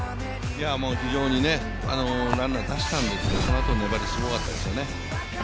非常にランナー出したんですけれども、そのあとの粘り、すごかったですよね。